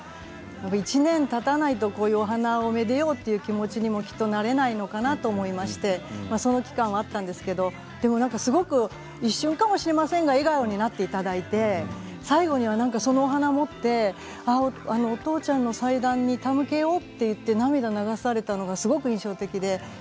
１年たたないとこういうお花をめでようという気持ちにはなれないのかなと思いましてそういう期間はあったんですけれど一瞬かもしれませんが笑顔になっていただいて最後にはそのお花を持ってお父ちゃんの祭壇に手向けようと言って涙を流されたのが印象的でした。